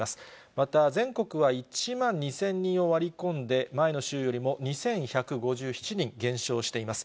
また、全国は１万２０００人を割り込んで、前の週よりも２１５７人減少しています。